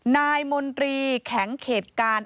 นายมนตรีแข็งเขตการ